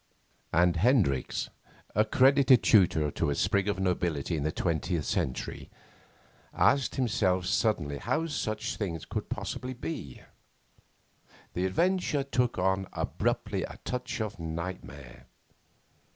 V And Hendricks, accredited tutor to a sprig of nobility in the twentieth century, asked himself suddenly how such things could possibly be. The adventure took on abruptly a touch of nightmare.